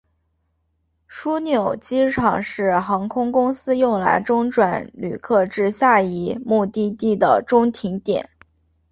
枢纽机场是航空公司用来中转旅客至下一个目的地的中停点。